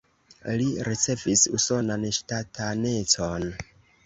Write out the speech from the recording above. Li ricevis usonan ŝtatanecon.